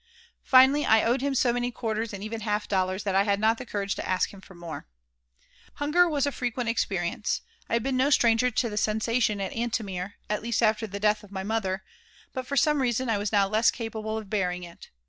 Finally I owed him so many quarters, and even half dollars, that I had not the courage to ask him for more Hunger was a frequent experience. I had been no stranger to the sensation at Antomir, at least after the death of my mother; but, for some reason, I was now less capable of bearing it.